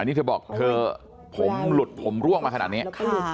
นี่เธอบอกเธอผมหลุดผมร่วงมาขนาดนี้